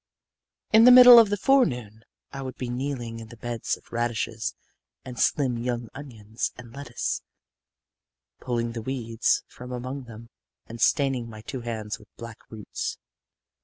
In the middle of the forenoon I would be kneeling in the beds of radishes and slim young onions and lettuce, pulling the weeds from among them and staining my two hands with black roots.